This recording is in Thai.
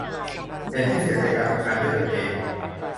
เด่นพิเศษในการทำงานด้วยตนเอง